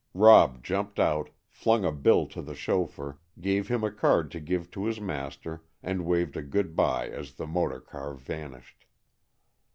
Rob jumped out, flung a bill to the chauffeur, gave him a card to give to his master, and waved a good by as the motor car vanished.